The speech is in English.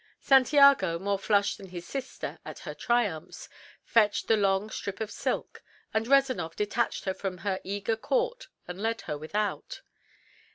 Santiago, more flushed than his sister at her triumphs, fetched the long strip of silk, and Rezanov detached her from her eager court and led her without.